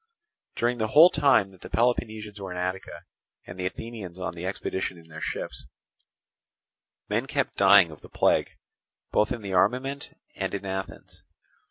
During the whole time that the Peloponnesians were in Attica and the Athenians on the expedition in their ships, men kept dying of the plague both in the armament and in Athens.